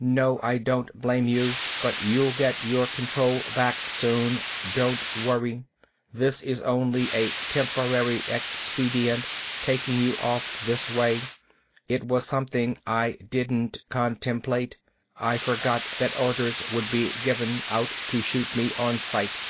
No, I don't blame you. But you'll get your control back, soon. Don't worry. This is only a temporary expedient, taking you off this way. It was something I didn't contemplate. I forgot that orders would be given out to shoot me on sight."